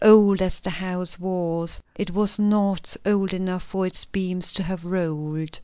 Old as the house was, it was not old enough for its beams to have rolled.